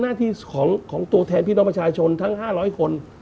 หน้าที่ของตัวแทนพี่น้องประชาชนทั้ง๕๐๐คน